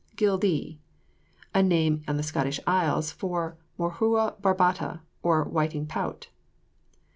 GILDEE. A name in the Scottish isles for the Morhua barbata, or whiting pout.